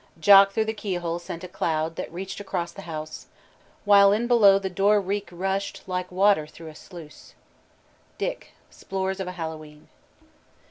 "Jock through the key hole sent a cloud That reached across the house, While in below the door reek rushed Like water through a sluice." DICK: _Splores of a Hallowe'en.